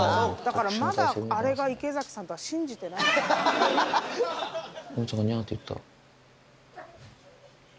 だからまだあれが池崎さんとは信じてないです。